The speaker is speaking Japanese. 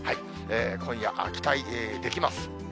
今夜、期待できます。